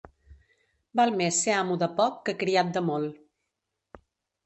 Val més ser amo de poc que criat de molt.